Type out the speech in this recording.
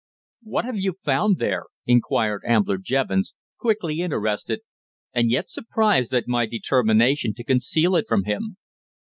"What have you found there?" inquired Ambler Jevons, quickly interested, and yet surprised at my determination to conceal it from him.